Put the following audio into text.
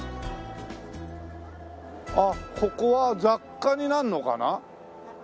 あっここは雑貨になるのかな？